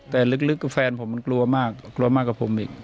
แต่ลึกกับแฟนผมมันกลัวมากกลัวมากกว่าผมอีก